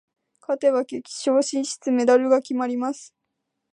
勝てば決勝進出、メダルが決まります。